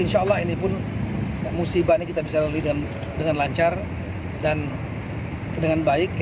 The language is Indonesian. insya allah ini pun musibah ini kita bisa lalui dengan lancar dan dengan baik